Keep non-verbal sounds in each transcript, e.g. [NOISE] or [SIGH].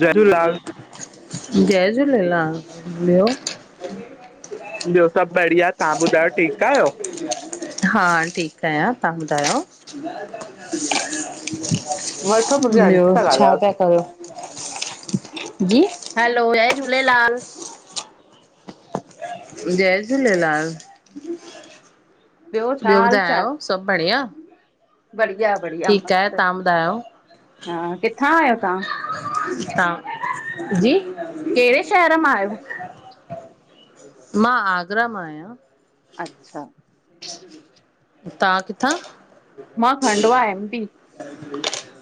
जय झूलेलाल, जय झूलेलाल! ॿयो? ॿयो सभ बढ़िया, तहां ॿुधायो ठीक आयो? हा, ठीक आयां, तां ॿुधायो? वठो मुंहिंजी ॿयो आंटी सां छा ॻाल्हायोसि। था करयो? जी! हैलो, जय झूलेलाल! जय झूलेलाल! ॿियो छा ॿयो हाल चाल? ॿुधायो सभ बढ़िया? बढ़िया बढ़िया ठीकु आहे मस्त, तव्हां ॿुधायो हा किथां आयो तां? हां, जी! कहिड़े शहर मां आहियो? मां, आगरा मां आयां। अच्छा तां किथां? मां, खंडवा एम, पी।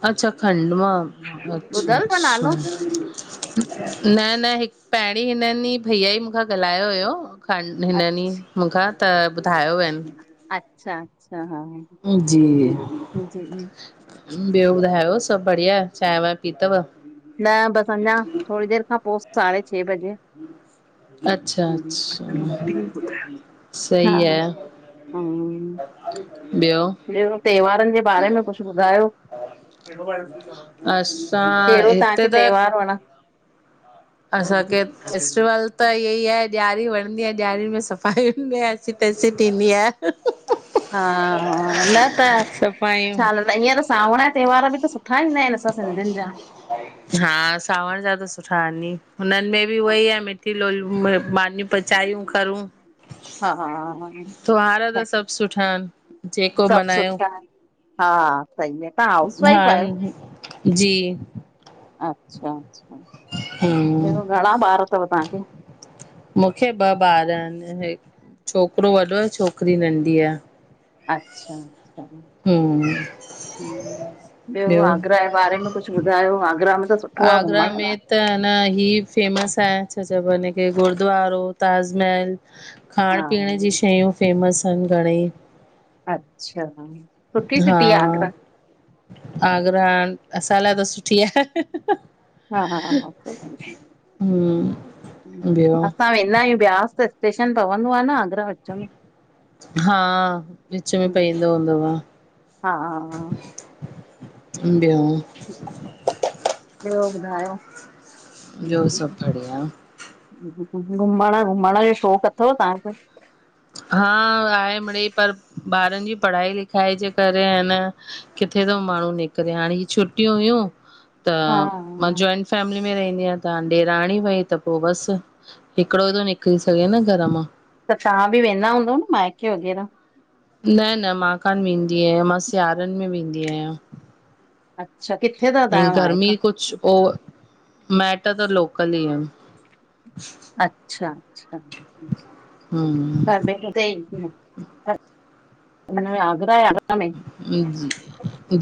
अच्छा खंडवा मां, अचछा- ॿुधल अथव अछा। नालो? न न, हिकु पहिरीं हिनन ई भैया ई मूंखां ॻाल्हायो हुयो ख अ- हिननी मूंखां त ॿुधायो अन। अच्छा- अच्छा, हा। जी। जी ॿियो ॿुधायो, सभु बढ़िया, चांय, वांय पीतव? न बस अंञा थोड़ी देर खां पो, साढे छंहे बजे। अच्छा-अच्छा, रूटीन सही आहे। हम। ॿियो ॿियो त्योहारनि जे बारे में कुछु ॿुधायो? कहिड़ो बाल पझु अथव? [UNINTELLIGIBLE] असां। कहिड़ो हिते तहांखे त त्योहारु वणे असांखे फेस्टिवल त इअ ई आहे, ॾियारी वणंदी आहे, ॾियांरी में सफ़ाईुनि में एसी- तेसी थींदी आहे। हा, हा, न त सफ़ाइयूं छा न, न ईअं त सावण जा त्योहार बि त सुठा ईंदा आहिनि। असां सिंधियुनि जा हा, सावण जा त सुठा आहिनि ई, हुननि में बि उहई आहे मि लोयूं मानीूं पचायूं करूं। हा तुहार त सभु सुठा आहिनि। जेको सभु मल्हायो। सुठा आहिनि। हा सही आहे तव्हां हाउस हा जी। अच्छा-अच्छा, हम्म ॿियो घणा ॿार अथव तव्हांखे? मूंखे ॿ ॿार आहिनि। छोकिरो वॾो आ, छोकिरी नंढी आहे। अच्छा-अच्छा, हम्म ॿियो आगरा जे बारे में कुछु कुछ ॿुधायो आगरा में त सुठो आहे आगरा घुमण लाइ। में त न, ही फेमस आहे, छा चइबो आहे हिन खे गुरुद्वारो, ताजमहल खाइण हा पीअण जी शयूं फेमस आहिन घणेई। अच्छा। सुठी हा, सिटी आहे आगरा आगरा असां लाइ त सुठी आहे। हा हा हा हमम्। [UNINTELLIGIBLE] असां वेंदा आहियूं ब्यास, त स्टेशन पवंदो आहे न आगरा विच में। हा। विच में हम्म, पईंदो हूंदोव। हा [INAUDIBLE] बियो? ॿियो ॿुधायो? ॿियो सभु बढ़िया घुमण- घुमण जो शौक़ु अथव तहांखे? हा आहेमिड़ेई, पर ॿारनि जी पढ़ाई लिखाई जे करे अ न किथे तो माण्हू निकिरे, हाणे ही छुटियूं हुयूं त हा मां जॉइन फैमिली में रहंदी आहियां त ॾेराणी वई त पो बस। हिकिड़ो ई थो निकिरी सघे न घर मां। त तां बि वेंदा हूंदव न माइके वग़ैरह? न-न, मां कान्ह वेंदी आहियां। मां सिआरनि में वेंदी आहियां। अच्छा। किथे त ऐं गर्मी कुछ ओ। माएट त लोकल ई आहिन। अच्छा-अच्छा। घर हम्म बे सही। माना आग्रह जे अगत में? [UNINTELLIGIBLE]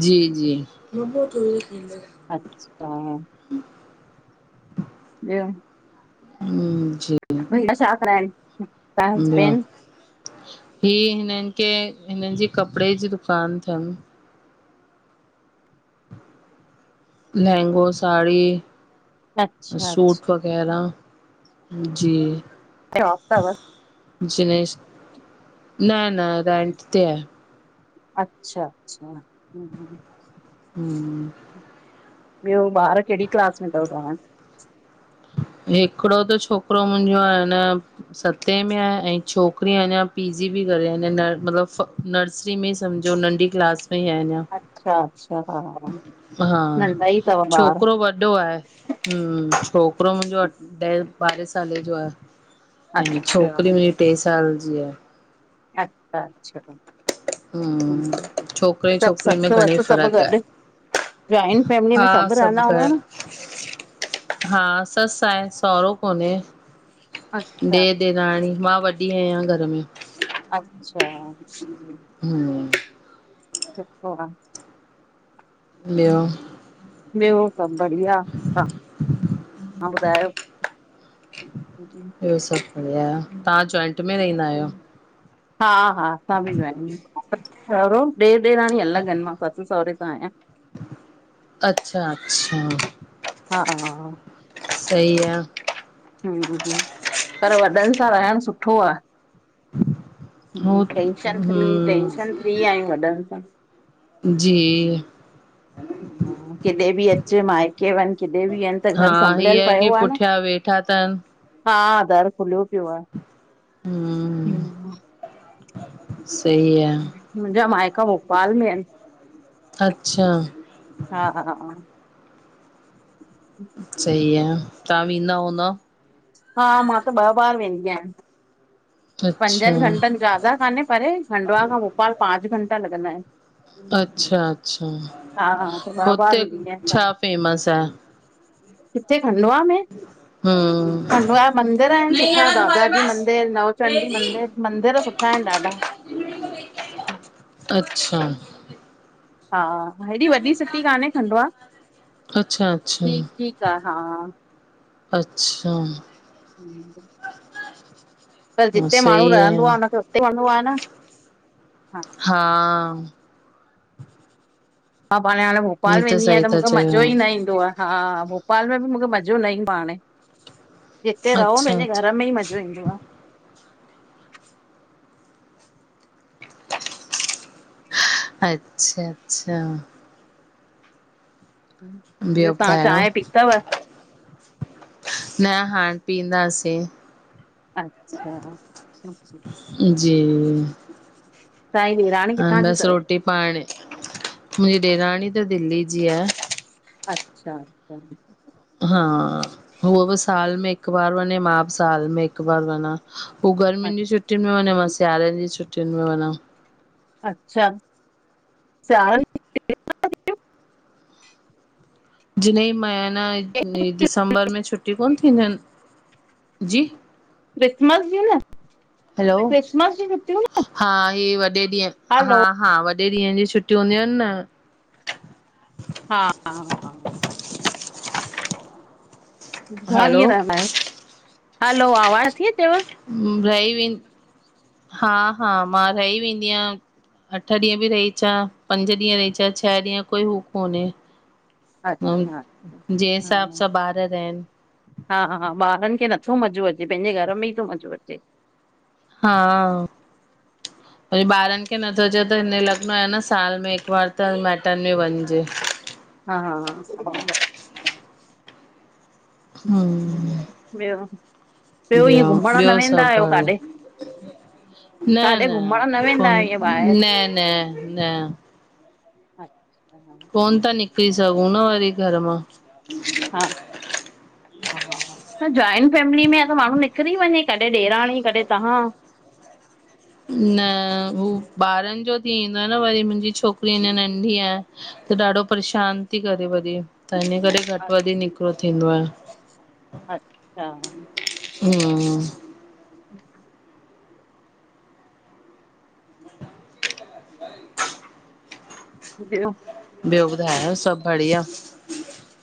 जी, जी। [UNINTELLIGIBLE] अच्छा, हा। बियो? हम्म, जी। भई, छा कराएन? ॿयो? हे हिननि खे, हिननि जी कपिड़े जी दुकान तनि। लहंगो साड़ी अच्छा सूट अच्छा वग बहिराम, जी। ऐं [UNINTELLIGIBLE] जिनेश, न न रेंट ते आ। अच्छा अच्छ, हूं हूं। हम्म ॿियों ॿार कहिड़ी क्लास में तव तव्हां हिकिड़ो त छोकिरो मुंहिंजो आ न सतें में आ ऐं छोकिरी अञां पीजी पई करे अञां मतिलब नरि नरिसरी में सम्झो नंढी क्लास में ई आहे अञां। अच्छा अच्छा हा हा, नंढा ई अथव ॿार? छोकिरो वॾो आहे। छोकिरो मुंजो अ ॾहें ॿारहें साले जो आहे, ऐं अच्छा छोकिरी टे साल जी आ। अच्छा अच्छा। हम्म, हं, छोकिरे सभु छोकिरी में ससु घणेई वसु सभु फ़र्क़ु आहे। गॾु। जॉइंट फैमिली में हा सभु रहंदा हूंदा घर न? हा, ससु आहे, सहुरो कोन्हे, अच्छा डेरु ॾेराणी, मां वॾी आहियां घर में। अच्छा, अच्छा। हम्म। सुठो आ। ॿियो? ॿियो, सभु बढ़िया, हा तां ॿुधायो? [UNINTELLIGIBLE] ॿियो सभु बढ़िया, तां जॉइंट में रहंदा आहियो? हा हा, असां बि जॉइंट, सहुरो? ॾेर ॾेराणी अलॻि आहिनि, मां ससु सहुरे सां आहियां। अच्छा अच्छा, हा सही आ। हूं हूं हूं, पर वॾनि सां रहणु सुठो आ। [INAUDIBLE] Tension free, hmm tension free आहियूं वॾनि सां। जी। किॾे बि अचु, माइके वञु, किॾे बि वञु, त हा घर हीअ संभलियल आहे की पियो आ न। पुठियां वेठा तनि। हा, दरु खुलियो पियो आ। हम्म, सही आ। मुंहिंजा माइका भोपाल में अच्छा, अनि। हा हा हा हा। सही आ, तां वेंदा हूंदव। हा, मां त ॿ बार वेंदी आहियां। पंजनि अच्छा। घंटनि जयादा काने परे खंडवा खां भोपाल पांच घंटा लॻंदा हिनि अचछा-अच्छा हा हा त ॿ बार हुते वेंदी आहियां छा हितां। फेमस आ? किथे खंडवा में, हम्म खंडवा जा मंदिर आहिनि नहीं है सुठा ना गागा तुम्हारे जी पास मंदिर नव चंडी रेजी मंदिर, मंदिर सुठा आहिनि ॾाढा अच्छा हा, हेॾी वॾी सिटी काने खंडवा, अच्छा अच्छा ठीकु- ठीकु आ हा अचछा हुंम् त जिते माण्हूं सही आहे रहंदो आ, हुनखे उते वणंदो आ, न हा मां पाण हाणे ही भोपाल वेंदी सही आहियां, त था मुंखे चयो मज़ो ई न ईंदो आ। हा भोपाल में बि मुंखे मज़ो न ईंदो हाणे, हिते रहो अच्छा पंहिंजे अच्छा घरु में ई मज़ो झुनझो आ। अच्छा -अच्छा ॿियो तव्हां ॿुधायो, चांहि पीतव न हाणे पीअंदासे अचछा जीअं [INAUDIBLE] ताई हिरान हा बसि रोटी पाणी, मुंजी ॾेराणी त दिल्ली जी आ अच्छा कल हा उह बि साल में हिकु बार वञे, मां बि साल में हिकु बार वञा हूं अच्छा गर्मिनि जी छुट्टुनि में वञे, मां सिआारे जी छुटियुनि में वञा अच्छा, चारि जिने माना दिसंबर में छुटी कोन थींदियूं हिनि, जी क्रिसमस जी न हलो, क्रिसमस जी छुटियूं न हा ये वॾे ॾींहु, हा हलो हा वॾे ॾींहु जी छुटियूं हूंदियूं हिनि न हा, हा, हा, घणा हैलो ॾिंहु रहंदा आहियो? हलो आवाज़ थी अचेव ॿई वें, हा हा, मां रही वेंदी आहियां। अठ ॾींहु बि रही अचा, पंज ॾींहु रही अचां, छह ॾींहु कोई हूं कोने अ, अच्छा अच्छा जेहि हिसाब सां ॿारु रहनि हा-हा ॿारनि खे नथो मज़ो अचे, पेंजे घरु में ईं तो मज़ो अचे। हा [INAUDIBLE] त ॿारनि खे नथो चए त हिन लॻणो आ न साल में हिकु बार त माइटन में वञिजे। हा सही आ हुं, ॿियो ॿियो ईअं घुमण न ॿियो-ॿियो वेंदा सभे आहियो बढ़े काॾे न -न, काॾे घुमण न वेंदा कोन्, आहियो न -न, न अच छा कोन था, निकिरी सघूं न वरी घरु मां हा [UNINTELLIGIBLE] हा हा, त जॉइंट फैमिली में आ त माण्हूं, निकिरी वञे कॾहिं ॾेराणी, कॾहिं तहां नअ, हूं ॿारनि जो थी ईंदो आ, न वरी मुंजी छोकिरी अञा नंढी आ। त ॾाढो परेशान थी करे वरी त हिन करे घटि वधि निकिरो थींदो आहे। अच्छा हूं [INAUDIBLE] थियो ॿियो ॿुधायो सभु बढ़िया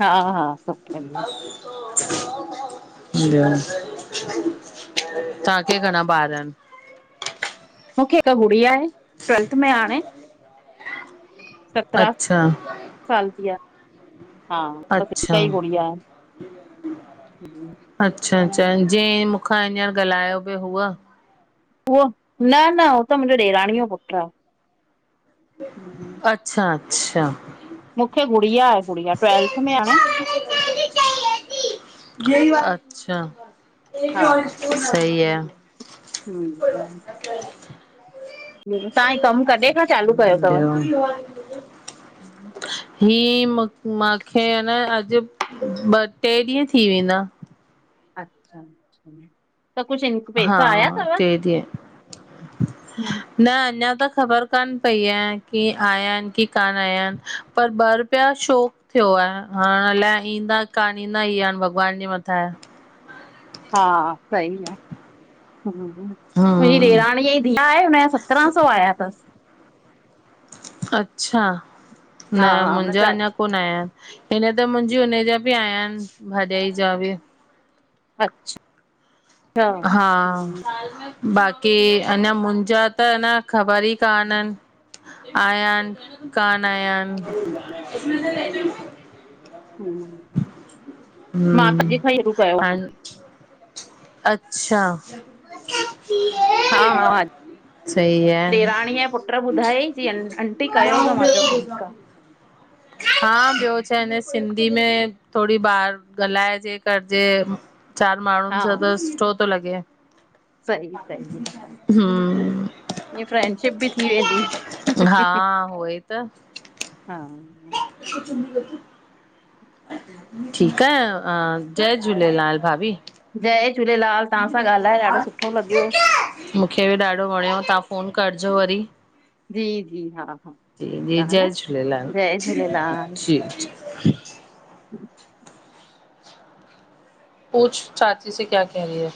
हा हा सु कंदीअ [UNINTELLIGIBLE] तहा के घणा बार आहिन? मूंखे हिकु गुड़ी आहे ट्वेल्थ में आणे। सत्रहं अच्छा साल जी आ। हा बस हिक अच्छा ई गुड़िया। अच्छा- अच्छा जीअं मूंखां हींअर ॻाल्हायो बि हुआ? उहो न- न हो त मुंहिंजो ॾेराणीअ जो पुटु आ। अच्छा -अच्छा। मूंखे गुड़िया आहे गुड़िया ट्वेल्थ में हाणे। अच्छा सही आहे। हूं। तव्हां ई कमु कॾे हुयो? [INAUDIBLE] हीअ माखे आहे न अॼु ॿ टे ॾींहं थी वेंदा। अच्छा- अचछा त कुझु इन हा पैसा आया अथव? टे ॾींहं न अञा त ख़बर कोन पई आहे की आया आहिनि की कान आया आहिनि पर ॿ रुपिया शो थियो आहे हाणे अलाए ईंदा कान ईंदा ई आहिनि भॻवान जे मथां आहे। हा सही आहे हा मुंहिंजी हम्म ॾेराणीअ जी धीय आहे हुनजा सत्रहां सौ आया अथसि। अच्छा न हा हुन मुंहिंजा जा अञा कोन आया आहिनि हिन त मुंहिंजी हुनजा बि आयाां आहिनि भाॼाई जा बि अच्छा हा हम्म बाक़ी अञा मुंहिंजा त अ न ख़बर ई कान्हन। आयन कान आयन? ह मां त हम्म अजु खां ई शुरू कयोआ। हाण अच्छा हा हा सही आहे डेराणीअ जे पुट ॿुधायई चई आंटी कयो त मां चयो ठीकु आहे। हा ॿियो छा न सिंधी में थोॾी ॿार ॻाल्हाइजे करजे चार हा माण्हुनि सां त सुठो थो लॻे। सही हूं ईअ फ्रेंडशिप बि थी वेंदी हा उहो ई त हा। [INAUDIBLE] [INAUDIBLE] ठीकु आ जय झूलेलाल भाभी। जय झूलेलाल तहां सां ॻाल्हाए ॾाढो सुठो लॻियो। मूंखे बि ॾाढो वणियो, तां फ़ोन करजो वरी। जी जी हा हा जी- ठीकु जी, आहे हा जय न झूलेलाल जय झूलेलाल जी। पूछ चाची से कया कह रही है?